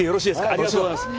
ありがとうございます。